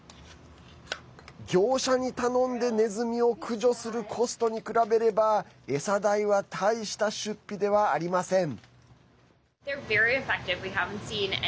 業者に頼んでネズミを駆除するコストに比べれば餌代は大した出費ではありません。